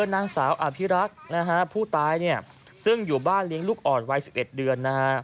นางสาวอภิรักษ์ผู้ตายซึ่งอยู่บ้านเลี้ยงลูกอ่อนวัย๑๑เดือน